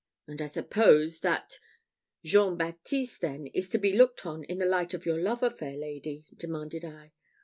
"And I suppose that Jean Baptiste, then, is to be looked on in the light of your lover, fair lady?" demanded I.